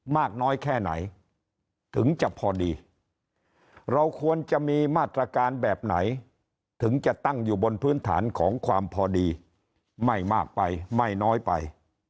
มาตรการแบบไหนถึงจะตั้งอยู่บนพื้นฐานของความพอดีไม่มากไปไม่น้อยไป